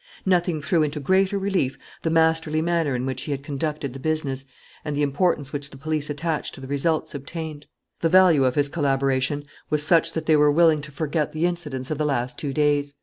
Nothing threw into greater relief the masterly manner in which he had conducted the business and the importance which the police attached to the results obtained. The value of his collaboration was such that they were willing to forget the incidents of the last two days.